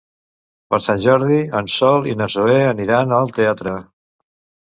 Per Sant Jordi en Sol i na Zoè aniran al teatre.